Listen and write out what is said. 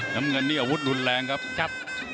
น้ำเงินนี่อาวุธรุนแรงครับครับ